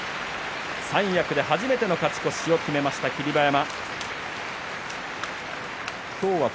三役で初めての勝ち越しを決めました、霧馬山。